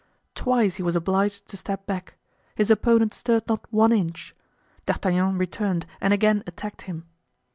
Twice he was obliged to step back; his opponent stirred not one inch. D'Artagnan returned and again attacked him.